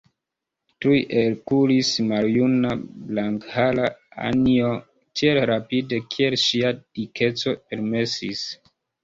Tuj elkuris maljuna, blankhara Anjo, tiel rapide, kiel ŝia dikeco permesis.